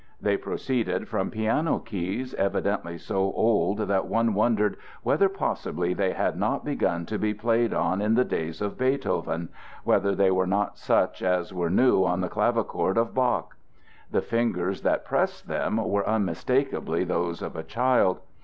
They proceeded from piano keys evidently so old that one wondered whether possibly they had not begun to be played on in the days of Beethoven, whether they were not such as were new on the clavichord of Bach. The fingers that pressed them were unmistakably those of a child.